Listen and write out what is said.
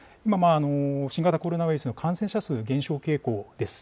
新型コロナウイルスの感染者数、減少傾向です。